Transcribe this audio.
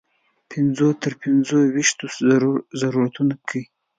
پنځو تر پنځه ویشتو ضرورتونو کې.